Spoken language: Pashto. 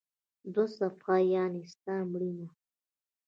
دوهمه صفحه: یعنی ستا مړینه.